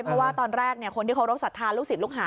เพราะว่าตอนแรกคนที่เคารพสัทธาลูกศิษย์ลูกหา